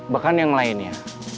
bahkan yang lainnya